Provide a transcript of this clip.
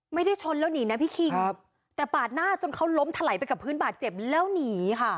ไม่ได้ชนแล้วหนีนะพี่คิงครับแต่ปาดหน้าจนเขาล้มถลายไปกับพื้นบาดเจ็บแล้วหนีค่ะ